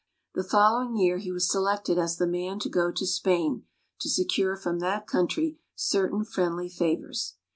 The following year he was selected as the man to go to Spain, to secure from that country certain friendly favors.